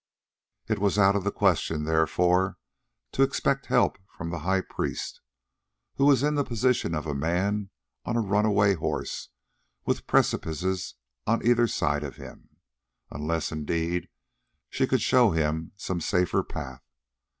It was out of the question, therefore, to expect help from the high priest, who was in the position of a man on a runaway horse with precipices on either side of him, unless, indeed, she could show him some safer path.